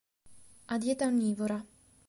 Ha dieta onnivora.